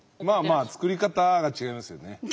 まあまあ作り方が違いますよね。